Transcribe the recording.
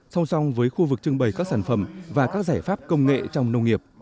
song song với khu vực trưng bày các sản phẩm và các giải pháp công nghệ trong nông nghiệp